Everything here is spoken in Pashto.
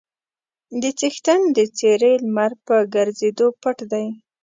د څښتن د څېرې لمر په ګرځېدو پټ دی.